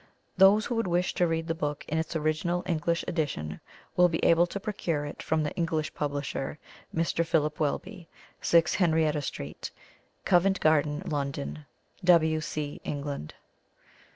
(Those who would wish to read the book in its original English edition will be able to procure it from the English publisher, Mr. Philip Wellby, 6 Henrietta street, Covent Garden, London, W. C, England.)